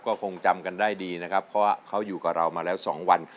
ก็คงจำกันได้ดีนะครับเพราะเขาอยู่กับเรามาแล้ว๒วัน